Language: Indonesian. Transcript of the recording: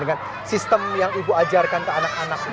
dengan sistem yang ibu ajarkan ke anak anak